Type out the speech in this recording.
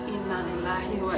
inan lahir wak